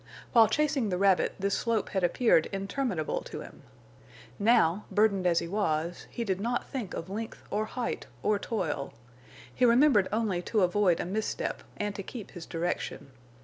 While chasing the rabbit this slope had appeared interminable to him; now, burdened as he was, he did not think of length or height or toil. He remembered only to avoid a misstep and to keep his direction.